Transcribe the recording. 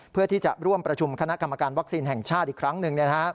เพื่อที่จะร่วมประชุมคณะกรรมการวัคซีนแห่งชาติอีกครั้งหนึ่ง